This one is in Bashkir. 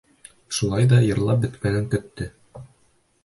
Шулай ҙа йырлап бөткәнен көттө.